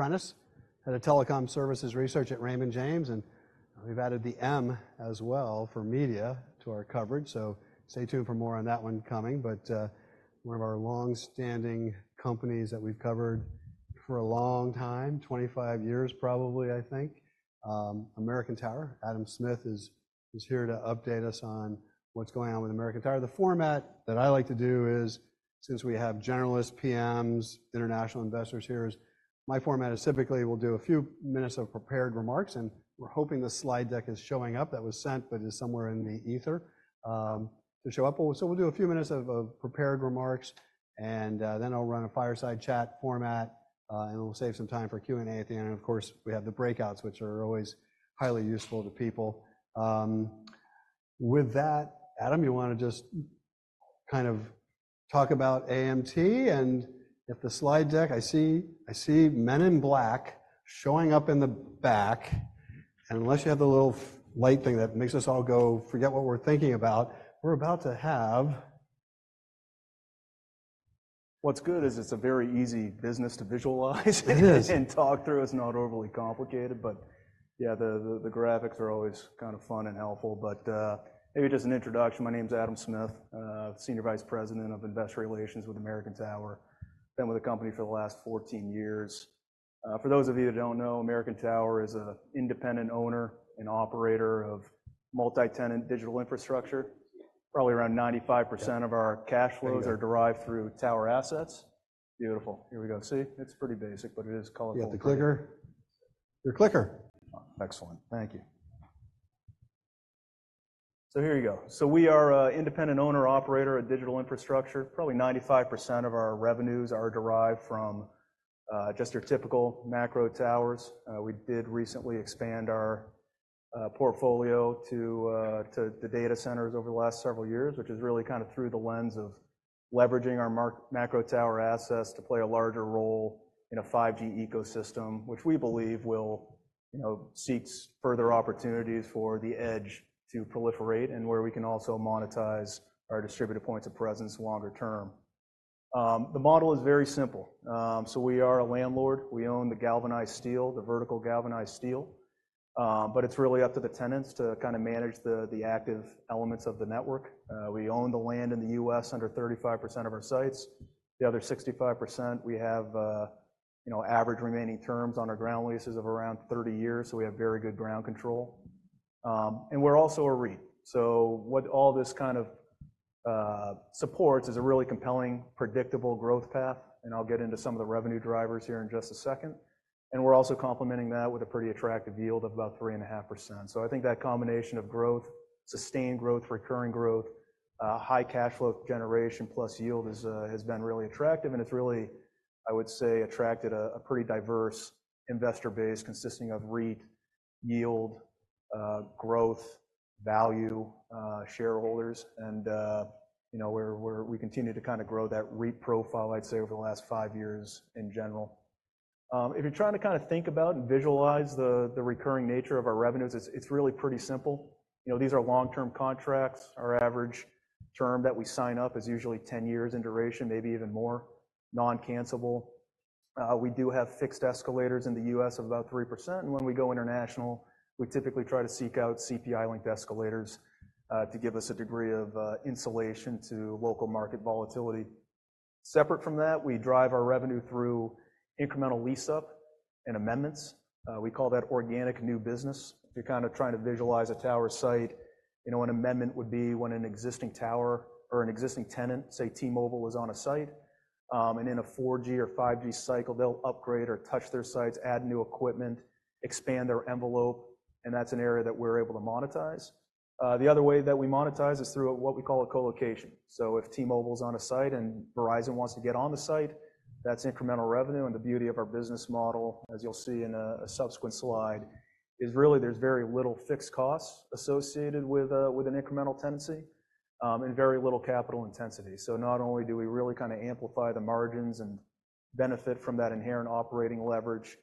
[Prentiss Head of Telecom Services Research] at Raymond James, and we've added the M as well for media to our coverage, so stay tuned for more on that one coming. But one of our long-standing companies that we've covered for a long time, 25 years probably, I think, American Tower. Adam Smith is here to update us on what's going on with American Tower. The format that I like to do is, since we have journalists, PMs, international investors here, my format is typically we'll do a few minutes of prepared remarks, and we're hoping the slide deck is showing up that was sent but is somewhere in the ether to show up. So we'll do a few minutes of prepared remarks, and then I'll run a fireside chat format, and we'll save some time for Q&A at the end. And of course, we have the breakouts, which are always highly useful to people. With that, Adam, you want to just kind of talk about AMT, and if the slide deck—I see men in black showing up in the back—and unless you have the little light thing that makes us all go forget what we're thinking about, we're about to have. What's good is it's a very easy business to visualize and talk through. It's not overly complicated, but yeah, the graphics are always kind of fun and helpful. But maybe just an introduction. My name's Adam Smith, Senior Vice President of Investor Relations with American Tower. Been with the company for the last 14 years. For those of you that don't know, American Tower is an independent owner and operator of multi-tenant digital infrastructure. Probably around 95% of our cash flows are derived through tower assets. Beautiful. Here we go. See? It's pretty basic, but it is colorful. You got the clicker? Your clicker. Excellent. Thank you. So here you go. So we are an independent owner-operator of digital infrastructure. Probably 95% of our revenues are derived from just your typical macro towers. We did recently expand our portfolio to the data centers over the last several years, which is really kind of through the lens of leveraging our macro tower assets to play a larger role in a 5G ecosystem, which we believe will seek further opportunities for the edge to proliferate and where we can also monetize our distributed points of presence longer term. The model is very simple. So we are a landlord. We own the galvanized steel, the vertical galvanized steel, but it's really up to the tenants to kind of manage the active elements of the network. We own the land in the US under 35% of our sites. The other 65%, we have average remaining terms on our ground leases of around 30 years, so we have very good ground control. We're also a REIT. So what all this kind of supports is a really compelling, predictable growth path, and I'll get into some of the revenue drivers here in just a second. We're also complementing that with a pretty attractive yield of about 3.5%. So I think that combination of growth, sustained growth, recurring growth, high cash flow generation plus yield has been really attractive, and it's really, I would say, attracted a pretty diverse investor base consisting of REIT, yield, growth, value, shareholders. We continue to kind of grow that REIT profile, I'd say, over the last five years in general. If you're trying to kind of think about and visualize the recurring nature of our revenues, it's really pretty simple. These are long-term contracts. Our average term that we sign up is usually 10 years in duration, maybe even more, non-cancelable. We do have fixed escalators in the US of about 3%, and when we go international, we typically try to seek out CPI-linked escalators to give us a degree of insulation to local market volatility. Separate from that, we drive our revenue through incremental lease-up and amendments. We call that organic new business. If you're kind of trying to visualize a tower site, an amendment would be when an existing tower or an existing tenant, say T-Mobile, is on a site, and in a 4G or 5G cycle, they'll upgrade or touch their sites, add new equipment, expand their envelope, and that's an area that we're able to monetize. The other way that we monetize is through what we call a colocation. So if T-Mobile is on a site and Verizon wants to get on the site, that's incremental revenue. And the beauty of our business model, as you'll see in a subsequent slide, is really there's very little fixed costs associated with an incremental tenancy and very little capital intensity. So not only do we really kind of amplify the margins and benefit from that inherent operating leverage,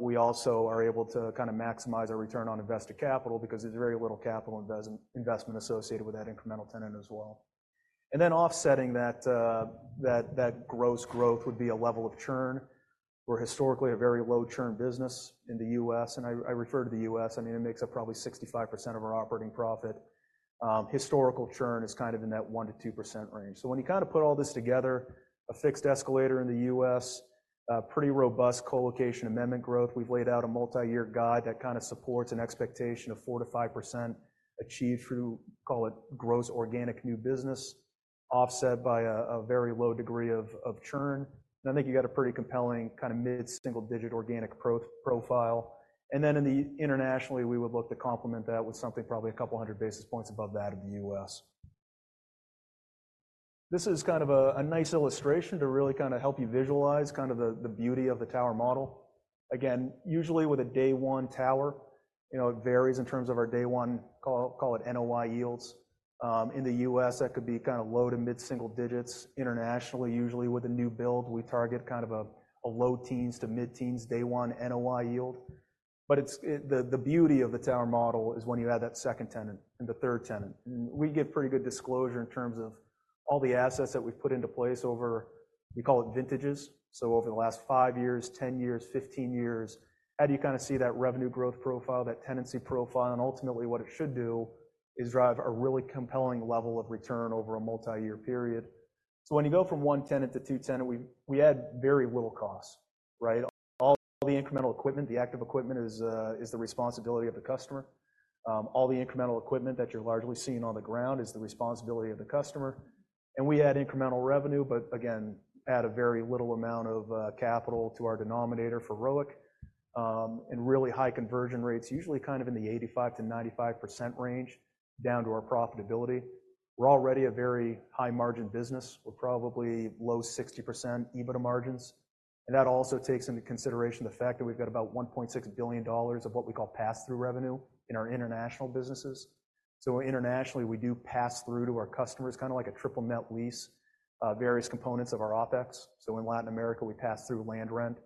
we also are able to kind of maximize our return on invested capital because there's very little capital investment associated with that incremental tenant as well. And then offsetting that gross growth would be a level of churn. We're historically a very low-churn business in the US, and I refer to the US I mean, it makes up probably 65% of our operating profit. Historical churn is kind of in that 1%-2% range. So when you kind of put all this together, a fixed escalator in the US, pretty robust colocation amendment growth, we've laid out a multi-year guide that kind of supports an expectation of 4-5% achieved through, call it, gross organic new business offset by a very low degree of churn. And I think you got a pretty compelling kind of mid-single-digit organic profile. And then internationally, we would look to complement that with something probably a couple hundred basis points above that in the US This is kind of a nice illustration to really kind of help you visualize kind of the beauty of the tower model. Again, usually with a day-one tower, it varies in terms of our day-one, call it NOI yields. In the US, that could be kind of low to mid-single digits. Internationally, usually with a new build, we target kind of a low-teens to mid-teens day-one NOI yield. But the beauty of the tower model is when you add that second tenant and the third tenant. And we get pretty good disclosure in terms of all the assets that we've put into place over, we call it vintages. So over the last five years, 10 years, 15 years, how do you kind of see that revenue growth profile, that tenancy profile? And ultimately, what it should do is drive a really compelling level of return over a multi-year period. So when you go from one tenant to two tenants, we add very little costs, right? All the incremental equipment, the active equipment, is the responsibility of the customer. All the incremental equipment that you're largely seeing on the ground is the responsibility of the customer. And we add incremental revenue, but again, add a very little amount of capital to our denominator for ROIC and really high conversion rates, usually kind of in the 85%-95% range down to our profitability. We're already a very high-margin business with probably low 60% EBITDA margins. And that also takes into consideration the fact that we've got about $1.6 billion of what we call pass-through revenue in our international businesses. So internationally, we do pass through to our customers kind of like a triple net lease, various components of our OPEX. So in Latin America, we pass through land rent,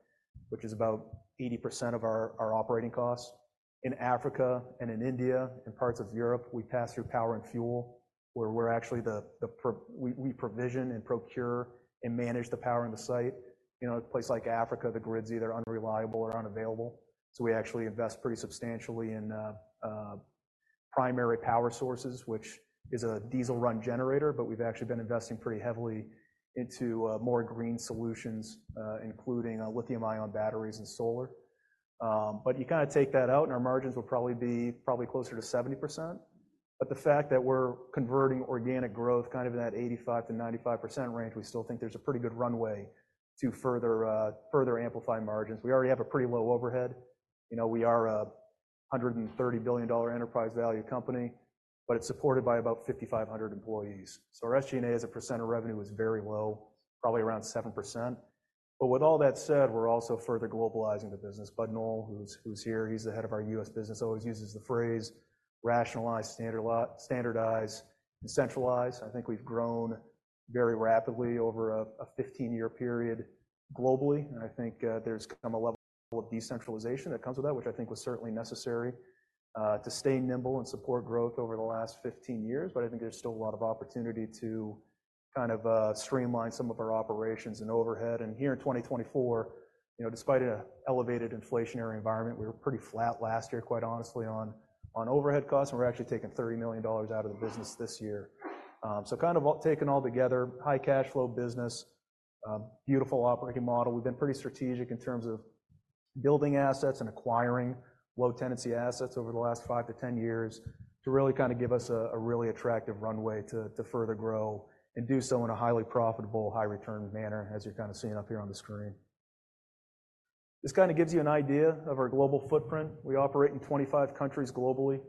which is about 80% of our operating costs. In Africa and in India and parts of Europe, we pass through power and fuel, where we're actually the we provision and procure and manage the power on the site. A place like Africa, the grids either are unreliable or unavailable. So we actually invest pretty substantially in primary power sources, which is a diesel-run generator, but we've actually been investing pretty heavily into more green solutions, including lithium-ion batteries and solar. But you kind of take that out, and our margins will probably be closer to 70%. But the fact that we're converting organic growth kind of in that 85%-95% range, we still think there's a pretty good runway to further amplify margins. We already have a pretty low overhead. We are a $130 billion enterprise value company, but it's supported by about 5,500 employees. So our SG&A as a percent of revenue is very low, probably around 7%. But with all that said, we're also further globalizing the business. Bud Noel, who's here, he's the head of our US business, always uses the phrase "rationalize, standardize, and centralize." I think we've grown very rapidly over a 15-year period globally, and I think there's come a level of decentralization that comes with that, which I think was certainly necessary to stay nimble and support growth over the last 15 years. But I think there's still a lot of opportunity to kind of streamline some of our operations and overhead. And here in 2024, despite an elevated inflationary environment, we were pretty flat last year, quite honestly, on overhead costs, and we're actually taking $30 million out of the business this year. So kind of taken all together, high-cash flow business, beautiful operating model. We've been pretty strategic in terms of building assets and acquiring low-tenancy assets over the last 5-10 years to really kind of give us a really attractive runway to further grow and do so in a highly profitable, high-return manner, as you're kind of seeing up here on the screen. This kind of gives you an idea of our global footprint. We operate in 25 countries globally.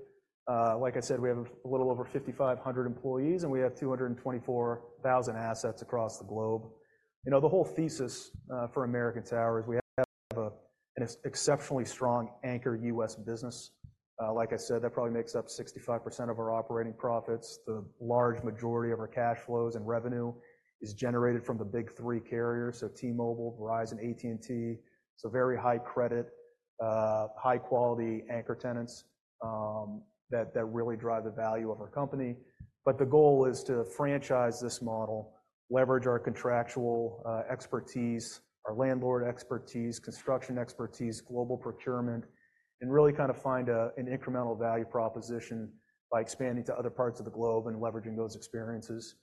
Like I said, we have a little over 5,500 employees, and we have 224,000 assets across the globe. The whole thesis for American Tower is we have an exceptionally strong anchor US business. Like I said, that probably makes up 65% of our operating profits. The large majority of our cash flows and revenue is generated from the big three carriers, so T-Mobile, Verizon, AT&T. It's a very high-credit, high-quality anchor tenants that really drive the value of our company. But the goal is to franchise this model, leverage our contractual expertise, our landlord expertise, construction expertise, global procurement, and really kind of find an incremental value proposition by expanding to other parts of the globe and leveraging those experiences.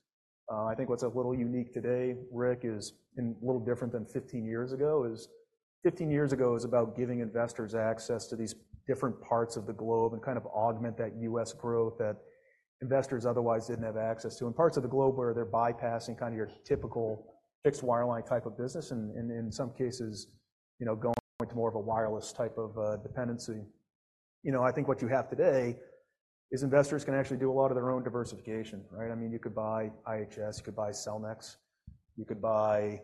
I think what's a little unique today, Rick, is a little different than 15 years ago. 15 years ago was about giving investors access to these different parts of the globe and kind of augment that US growth that investors otherwise didn't have access to in parts of the globe where they're bypassing kind of your typical fixed wireline type of business and in some cases going to more of a wireless type of dependency. I think what you have today is investors can actually do a lot of their own diversification, right? I mean, you could buy IHS, you could buy Cellnex, you could buy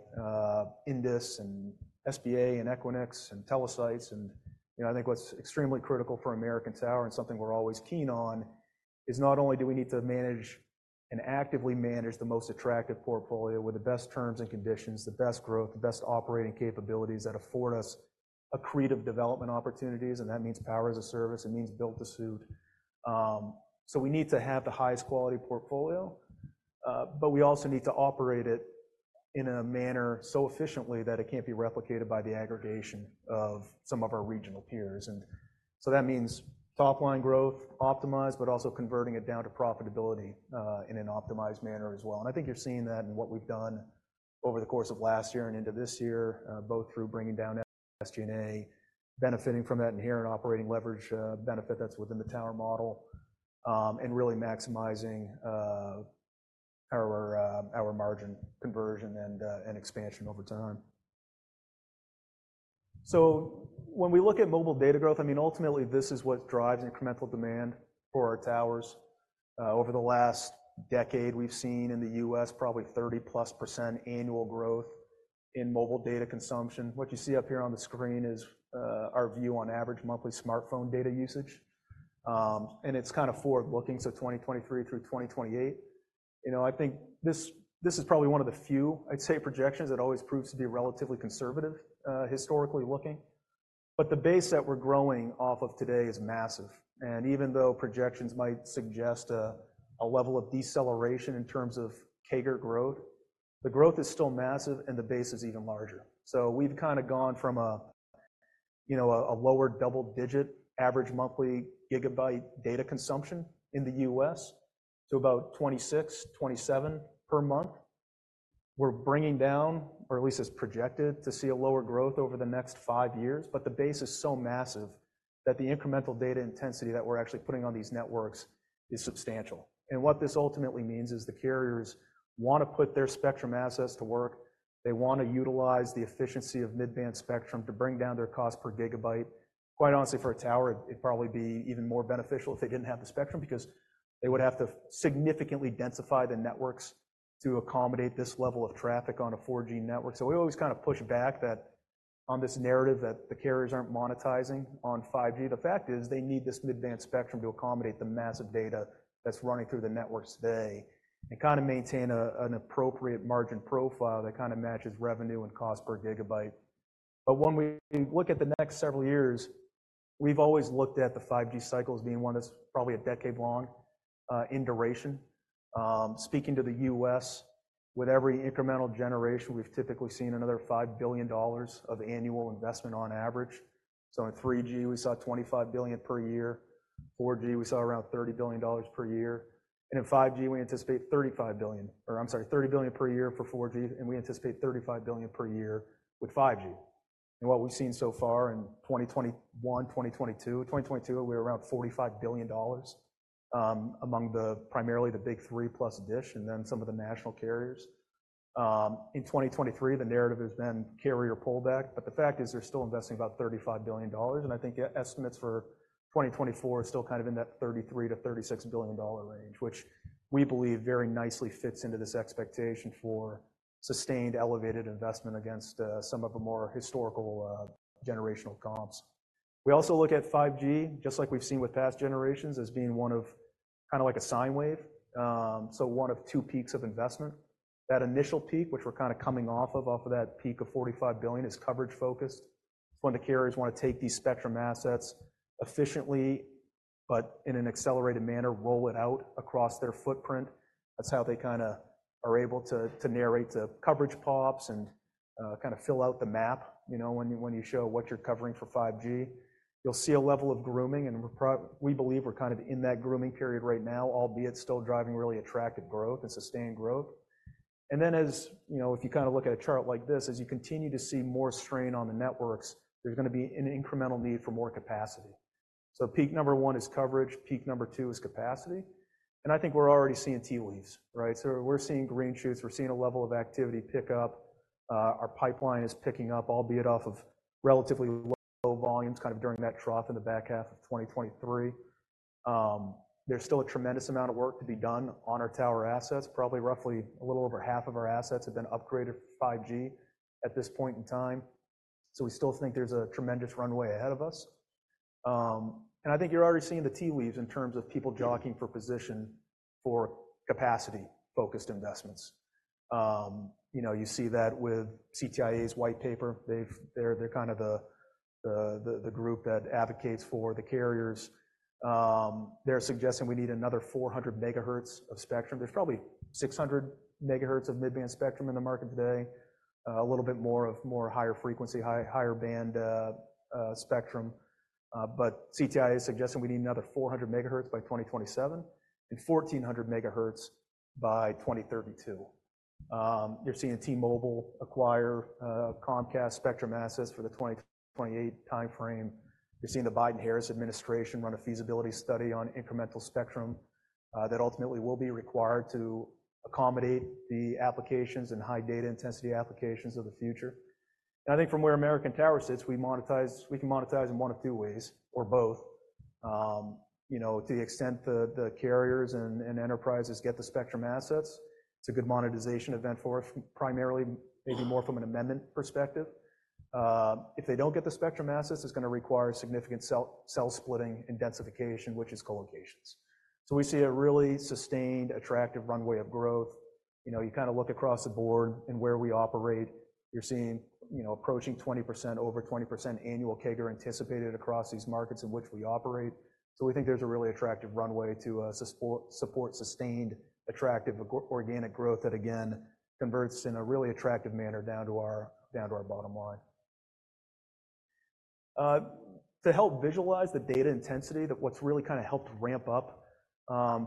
Indus and SBA and Equinix and Telesites. And I think what's extremely critical for American Tower and something we're always keen on is not only do we need to manage and actively manage the most attractive portfolio with the best terms and conditions, the best growth, the best operating capabilities that afford us accretive development opportunities, and that means power as a service. It means built-to-suit. So we need to have the highest quality portfolio, but we also need to operate it in a manner so efficiently that it can't be replicated by the aggregation of some of our regional peers. And so that means top-line growth optimized, but also converting it down to profitability in an optimized manner as well. I think you're seeing that in what we've done over the course of last year and into this year, both through bringing down SG&A, benefiting from that inherent operating leverage benefit that's within the tower model, and really maximizing our margin conversion and expansion over time. When we look at mobile data growth, I mean, ultimately, this is what drives incremental demand for our towers. Over the last decade, we've seen in the US probably 30+% annual growth in mobile data consumption. What you see up here on the screen is our view on average monthly smartphone data usage, and it's kind of forward-looking, so 2023 through 2028. I think this is probably one of the few, I'd say, projections that always proves to be relatively conservative historically looking. The base that we're growing off of today is massive. Even though projections might suggest a level of deceleration in terms of CAGR growth, the growth is still massive, and the base is even larger. So we've kind of gone from a lower double-digit average monthly gigabyte data consumption in the US to about 26, 27 per month. We're bringing down, or at least it's projected, to see a lower growth over the next five years. But the base is so massive that the incremental data intensity that we're actually putting on these networks is substantial. What this ultimately means is the carriers want to put their spectrum assets to work. They want to utilize the efficiency of mid-band spectrum to bring down their cost per gigabyte. Quite honestly, for a tower, it'd probably be even more beneficial if they didn't have the spectrum because they would have to significantly densify the networks to accommodate this level of traffic on a 4G network. So we always kind of push back on this narrative that the carriers aren't monetizing on 5G. The fact is they need this mid-band spectrum to accommodate the massive data that's running through the networks today and kind of maintain an appropriate margin profile that kind of matches revenue and cost per gigabyte. But when we look at the next several years, we've always looked at the 5G cycles being one that's probably a decade long in duration. Speaking to the US, with every incremental generation, we've typically seen another $5 billion of annual investment on average. So in 3G, we saw $25 billion per year. 4G, we saw around $30 billion per year. In 5G, we anticipate $35 billion or, I'm sorry, $30 billion per year for 4G, and we anticipate $35 billion per year with 5G. What we've seen so far in 2021, 2022, 2022, we're around $45 billion among primarily the big three plus-ish and then some of the national carriers. In 2023, the narrative has been carrier pullback, but the fact is they're still investing about $35 billion. I think estimates for 2024 are still kind of in that $33-$36 billion range, which we believe very nicely fits into this expectation for sustained elevated investment against some of the more historical generational comps. We also look at 5G, just like we've seen with past generations, as being one of kind of like a sine wave, so one of two peaks of investment. That initial peak, which we're kind of coming off of, off of that peak of $45 billion, is coverage-focused. It's when the carriers want to take these spectrum assets efficiently but in an accelerated manner, roll it out across their footprint. That's how they kind of are able to narrate to coverage pops and kind of fill out the map when you show what you're covering for 5G. You'll see a level of grooming, and we believe we're kind of in that grooming period right now, albeit still driving really attractive growth and sustained growth. And then if you kind of look at a chart like this, as you continue to see more strain on the networks, there's going to be an incremental need for more capacity. So peak number 1 is coverage, peak number 2 is capacity. And I think we're already seeing tea leaves, right? So we're seeing green shoots, we're seeing a level of activity pick up. Our pipeline is picking up, albeit off of relatively low volumes kind of during that trough in the back half of 2023. There's still a tremendous amount of work to be done on our tower assets. Probably roughly a little over half of our assets have been upgraded to 5G at this point in time. So we still think there's a tremendous runway ahead of us. And I think you're already seeing the tea leaves in terms of people jockeying for position for capacity-focused investments. You see that with CTIA's white paper. They're kind of the group that advocates for the carriers. They're suggesting we need another 400 MHz of spectrum. There's probably 600 MHz of mid-band spectrum in the market today, a little bit more of more higher frequency, higher band spectrum. But CTIA is suggesting we need another 400 megahertz by 2027 and 1,400 megahertz by 2032. You're seeing T-Mobile acquire Comcast spectrum assets for the 2028 timeframe. You're seeing the Biden-Harris administration run a feasibility study on incremental spectrum that ultimately will be required to accommodate the applications and high data intensity applications of the future. And I think from where American Tower sits, we can monetize in one of two ways or both. To the extent the carriers and enterprises get the spectrum assets, it's a good monetization event for us, primarily maybe more from an amendment perspective. If they don't get the spectrum assets, it's going to require significant cell splitting and densification, which is collocations. So we see a really sustained, attractive runway of growth. You kind of look across the board in where we operate, you're seeing approaching 20%, over 20% annual CAGR anticipated across these markets in which we operate. So we think there's a really attractive runway to support sustained, attractive organic growth that, again, converts in a really attractive manner down to our bottom line. To help visualize the data intensity, what's really kind of helped ramp up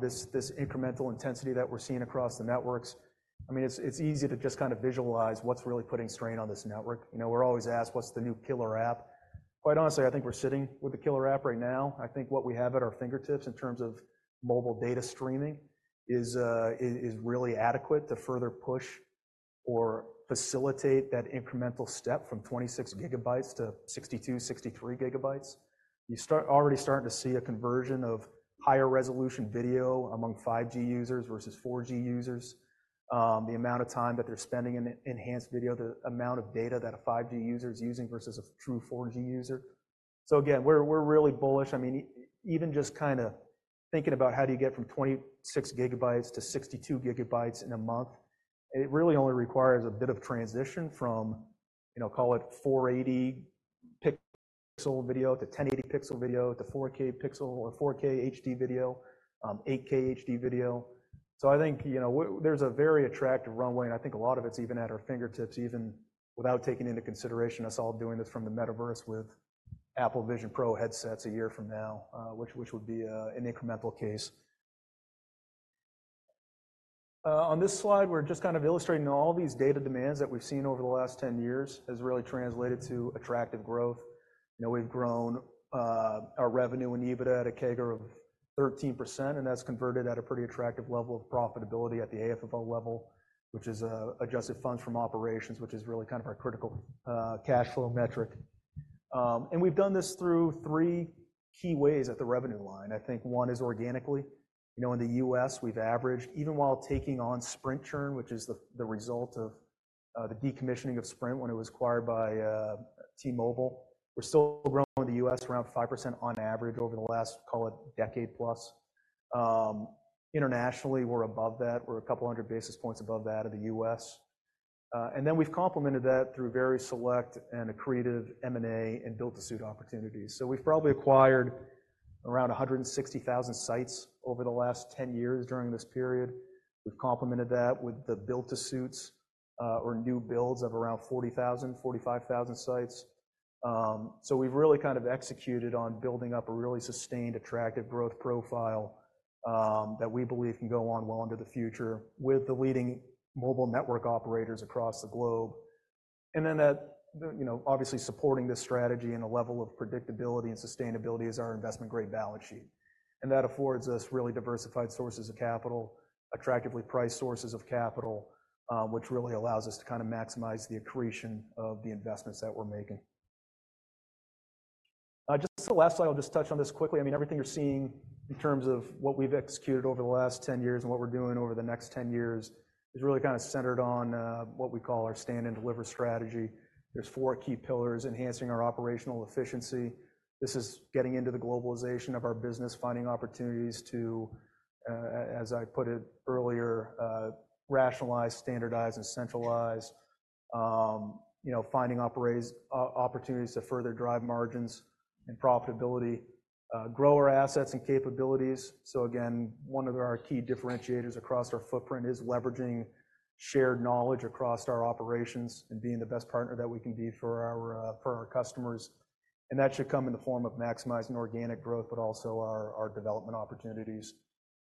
this incremental intensity that we're seeing across the networks, I mean, it's easy to just kind of visualize what's really putting strain on this network. We're always asked, "What's the new killer app?" Quite honestly, I think we're sitting with the killer app right now. I think what we have at our fingertips in terms of mobile data streaming is really adequate to further push or facilitate that incremental step from 26 GB to 62, 63 GB. You're already starting to see a conversion of higher resolution video among 5G users versus 4G users, the amount of time that they're spending in enhanced video, the amount of data that a 5G user is using versus a true 4G user. So again, we're really bullish. I mean, even just kind of thinking about how do you get from 26 GB to 62 GB in a month, it really only requires a bit of transition from, call it 480-pixel video to 1080-pixel video to 4K pixel or 4K HD video, 8K HD video. So I think there's a very attractive runway, and I think a lot of it's even at our fingertips, even without taking into consideration us all doing this from the metaverse with Apple Vision Pro headsets a year from now, which would be an incremental case. On this slide, we're just kind of illustrating all these data demands that we've seen over the last 10 years has really translated to attractive growth. We've grown our revenue in EBITDA to CAGR of 13%, and that's converted at a pretty attractive level of profitability at the AFFO level, which is adjusted funds from operations, which is really kind of our critical cash flow metric. And we've done this through three key ways at the revenue line. I think one is organically. In the US, we've averaged, even while taking on Sprint churn, which is the result of the decommissioning of Sprint when it was acquired by T-Mobile, we're still growing in the US around 5% on average over the last, call it, decade plus. Internationally, we're above that. We're a couple hundred basis points above that in the US And then we've complemented that through very select and accretive M&A and built-to-suit opportunities. So we've probably acquired around 160,000 sites over the last 10 years during this period. We've complemented that with the built-to-suits or new builds of around 40,000-45,000 sites. So we've really kind of executed on building up a really sustained, attractive growth profile that we believe can go on well into the future with the leading mobile network operators across the globe. And then obviously supporting this strategy in a level of predictability and sustainability is our investment-grade balance sheet. And that affords us really diversified sources of capital, attractively priced sources of capital, which really allows us to kind of maximize the accretion of the investments that we're making. Just the last slide, I'll just touch on this quickly. I mean, everything you're seeing in terms of what we've executed over the last 10 years and what we're doing over the next 10 years is really kind of centered on what we call our stand and deliver strategy. There's four key pillars: enhancing our operational efficiency. This is getting into the globalization of our business, finding opportunities to, as I put it earlier, rationalize, standardize, and centralize, finding opportunities to further drive margins and profitability, grow our assets and capabilities. So again, one of our key differentiators across our footprint is leveraging shared knowledge across our operations and being the best partner that we can be for our customers. And that should come in the form of maximizing organic growth, but also our development opportunities.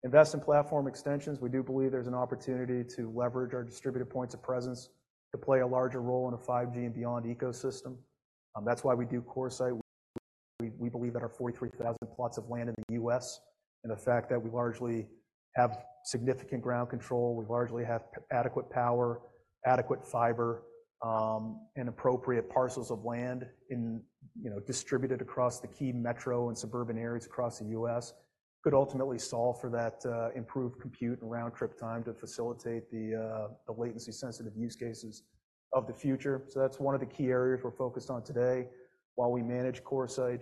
Invest in platform extensions. We do believe there's an opportunity to leverage our distributed points of presence to play a larger role in a 5G and beyond ecosystem. That's why we do CoreSite. We believe that our 43,000 plots of land in the US and the fact that we largely have significant ground control, we largely have adequate power, adequate fiber, and appropriate parcels of land distributed across the key metro and suburban areas across the US could ultimately solve for that improved compute and round-trip time to facilitate the latency-sensitive use cases of the future. So that's one of the key areas we're focused on today while we manage CoreSite.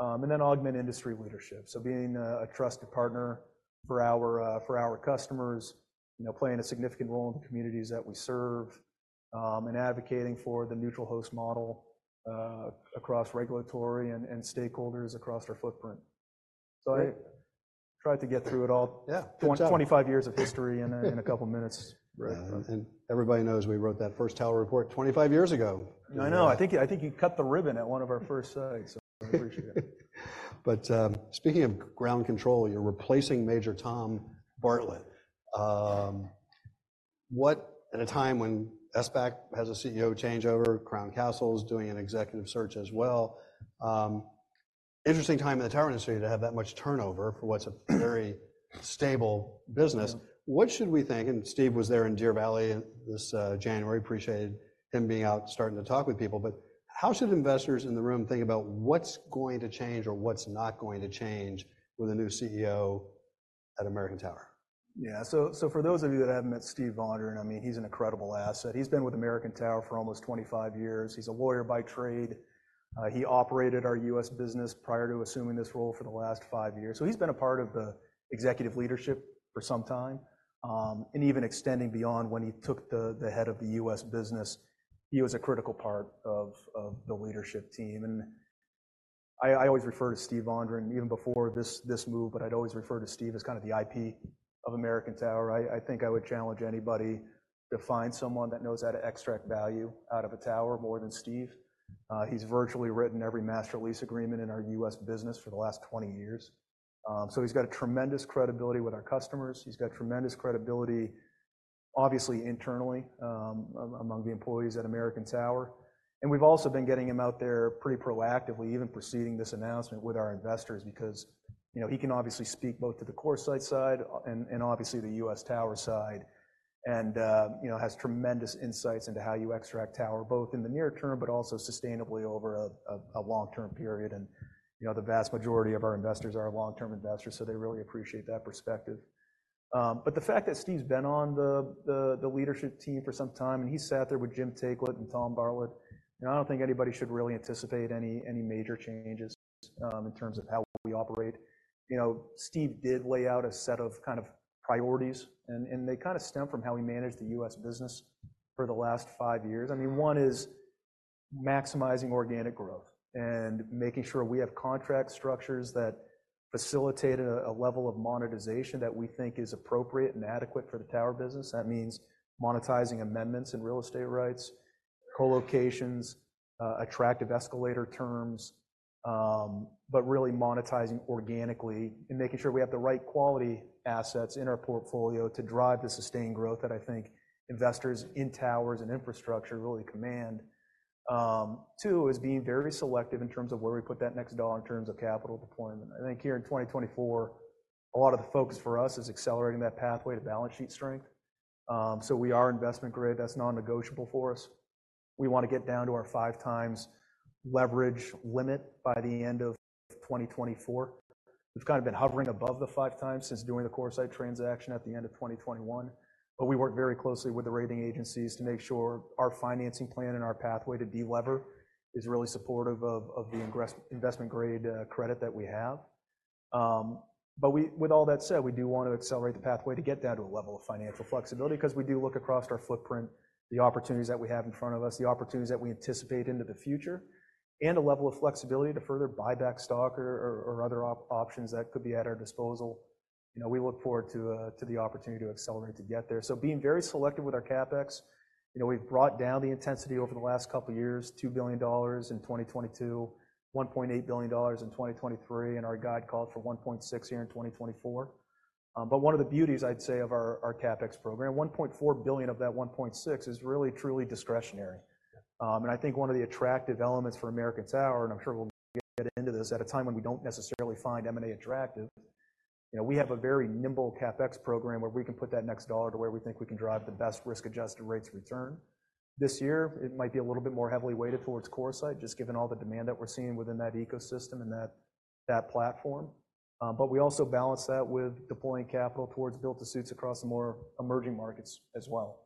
And then augment industry leadership, so being a trusted partner for our customers, playing a significant role in the communities that we serve, and advocating for the neutral host model across regulatory and stakeholders across our footprint. I tried to get through it all, 25 years of history, in a couple minutes. Everybody knows we wrote that first tower report 25 years ago. I know. I think you cut the ribbon at one of our first slides, so I appreciate it. But speaking of ground control, you're replacing Major Tom Bartlett. At a time when SBAC has a CEO changeover, Crown Castle is doing an executive search as well. Interesting time in the tower industry to have that much turnover for what's a very stable business. What should we think? And Steve was there in Deer Valley this January. Appreciated him being out starting to talk with people. But how should investors in the room think about what's going to change or what's not going to change with a new CEO at American Tower? Yeah. So for those of you that haven't met Steve Vondran, I mean, he's an incredible asset. He's been with American Tower for almost 25 years. He's a lawyer by trade. He operated our US business prior to assuming this role for the last five years. So he's been a part of the executive leadership for some time. And even extending beyond when he took the head of the US business, he was a critical part of the leadership team. And I always refer to Steve Vondran even before this move, but I'd always refer to Steve as kind of the IP of American Tower. I think I would challenge anybody to find someone that knows how to extract value out of a tower more than Steve. He's virtually written every Master Lease Agreement in our US business for the last 20 years. He's got tremendous credibility with our customers. He's got tremendous credibility, obviously internally, among the employees at American Tower. We've also been getting him out there pretty proactively, even preceding this announcement, with our investors because he can obviously speak both to the CoreSite side and obviously the US Tower side and has tremendous insights into how you extract tower both in the near term but also sustainably over a long-term period. The vast majority of our investors are long-term investors, so they really appreciate that perspective. The fact that Steve's been on the leadership team for some time, and he sat there with Jim Taiclet and Tom Bartlett, I don't think anybody should really anticipate any major changes in terms of how we operate. Steve did lay out a set of kind of priorities, and they kind of stem from how we manage the US business for the last five years. I mean, one is maximizing organic growth and making sure we have contract structures that facilitate a level of monetization that we think is appropriate and adequate for the tower business. That means monetizing amendments and real estate rights, collocations, attractive escalator terms, but really monetizing organically and making sure we have the right quality assets in our portfolio to drive the sustained growth that I think investors in towers and infrastructure really command. Two is being very selective in terms of where we put that next dollar in terms of capital deployment. I think here in 2024, a lot of the focus for us is accelerating that pathway to balance sheet strength. So we are investment grade. That's non-negotiable for us. We want to get down to our 5x leverage limit by the end of 2024. We've kind of been hovering above the 5x since doing the CoreSite transaction at the end of 2021. But we work very closely with the rating agencies to make sure our financing plan and our pathway to de-lever is really supportive of the investment-grade credit that we have. But with all that said, we do want to accelerate the pathway to get down to a level of financial flexibility because we do look across our footprint, the opportunities that we have in front of us, the opportunities that we anticipate into the future, and a level of flexibility to further buy back stock or other options that could be at our disposal. We look forward to the opportunity to accelerate to get there. Being very selective with our CapEx, we've brought down the intensity over the last couple of years, $2 billion in 2022, $1.8 billion in 2023, and our guide called for $1.6 billion here in 2024. But one of the beauties, I'd say, of our CapEx program, $1.4 billion of that $1.6 billion is really truly discretionary. And I think one of the attractive elements for American Tower, and I'm sure we'll get into this at a time when we don't necessarily find M&A attractive, we have a very nimble CapEx program where we can put that next dollar to where we think we can drive the best risk-adjusted rates return. This year, it might be a little bit more heavily weighted towards CoreSite, just given all the demand that we're seeing within that ecosystem and that platform. But we also balance that with deploying capital towards built-to-suits across the more emerging markets as well.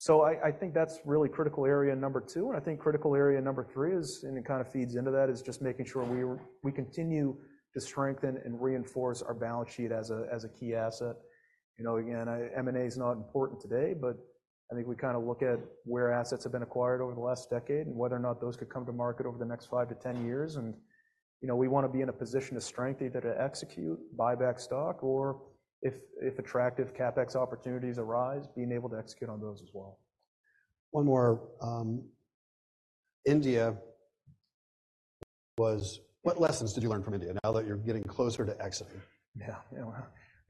So I think that's really critical area number two. And I think critical area number three, and it kind of feeds into that, is just making sure we continue to strengthen and reinforce our balance sheet as a key asset. Again, M&A is not important today, but I think we kind of look at where assets have been acquired over the last decade and whether or not those could come to market over the next 5-10 years. And we want to be in a position to strengthen either to execute, buy back stock, or if attractive CapEx opportunities arise, being able to execute on those as well. One more. What lessons did you learn from India now that you're getting closer to exiting? Yeah. I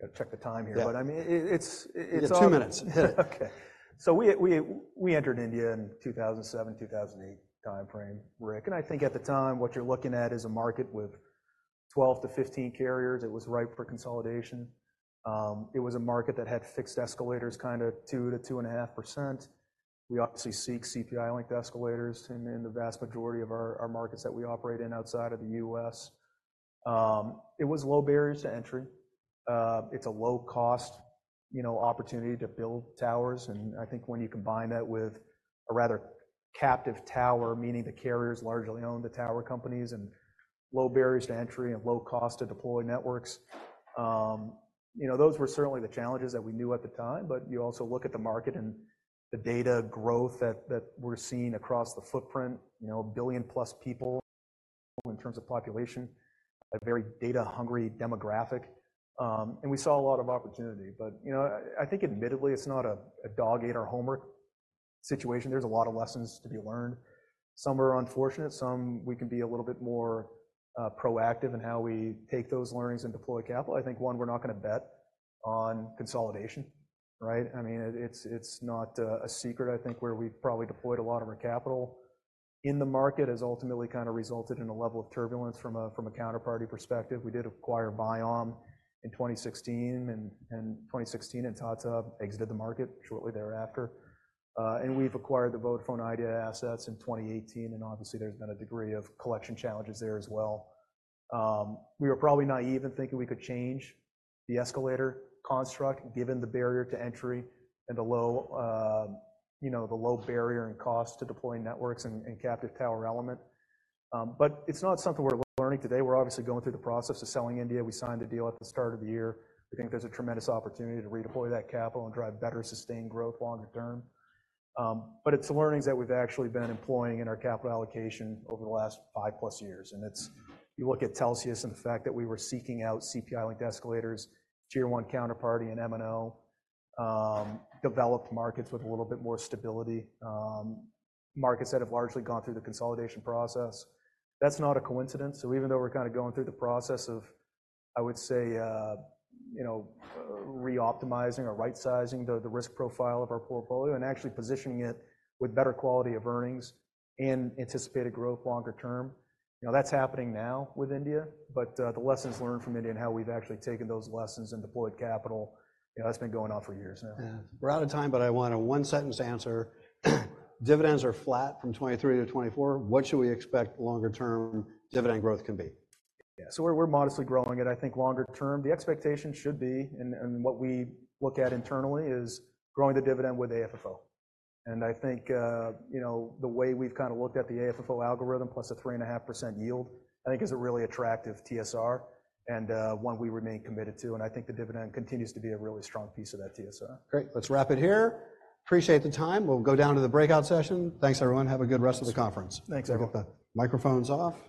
got to check the time here. But I mean, it's all. Yeah, two minutes. Hit it. Okay. So we entered India in the 2007, 2008 time frame, Rick. And I think at the time, what you're looking at is a market with 12-15 carriers. It was ripe for consolidation. It was a market that had fixed escalators kind of 2%-2.5%. We obviously seek CPI-linked escalators in the vast majority of our markets that we operate in outside of the US It was low barriers to entry. It's a low-cost opportunity to build towers. And I think when you combine that with a rather captive tower, meaning the carriers largely own the tower companies, and low barriers to entry and low cost to deploy networks, those were certainly the challenges that we knew at the time. But you also look at the market and the data growth that we're seeing across the footprint, a billion-plus people in terms of population, a very data-hungry demographic. And we saw a lot of opportunity. But I think admittedly, it's not a dog-eat-or-home-earth situation. There's a lot of lessons to be learned. Some are unfortunate. Some we can be a little bit more proactive in how we take those learnings and deploy capital. I think, one, we're not going to bet on consolidation. I mean, it's not a secret, I think, where we've probably deployed a lot of our capital in the market has ultimately kind of resulted in a level of turbulence from a counterparty perspective. We did acquire Viom in 2016, and 2016, and Tata exited the market shortly thereafter. And we've acquired the Vodafone Idea assets in 2018. And obviously, there's been a degree of collection challenges there as well. We were probably naive in thinking we could change the escalator construct given the barrier to entry and the low barrier and cost to deploy networks and captive tower element. But it's not something we're learning today. We're obviously going through the process of selling India. We signed the deal at the start of the year. We think there's a tremendous opportunity to redeploy that capital and drive better sustained growth longer term. But it's learnings that we've actually been employing in our capital allocation over the last five-plus years. And you look at Telxius and the fact that we were seeking out CPI-linked escalators, tier one counterparty and M&O, developed markets with a little bit more stability, markets that have largely gone through the consolidation process. That's not a coincidence. So even though we're kind of going through the process of, I would say, reoptimizing or right-sizing the risk profile of our portfolio and actually positioning it with better quality of earnings and anticipated growth longer term, that's happening now with India. But the lessons learned from India and how we've actually taken those lessons and deployed capital, that's been going on for years now. Yeah. We're out of time, but I want a one-sentence answer. Dividends are flat from 2023 to 2024. What should we expect longer-term dividend growth can be? Yeah. So we're modestly growing it. I think longer term, the expectation should be, and what we look at internally, is growing the dividend with AFFO. And I think the way we've kind of looked at the AFFO algorithm plus a 3.5% yield, I think, is a really attractive TSR and one we remain committed to. And I think the dividend continues to be a really strong piece of that TSR. Great. Let's wrap it here. Appreciate the time. We'll go down to the breakout session. Thanks, everyone. Have a good rest of the conference. Thanks, everyone. I've got the microphones off.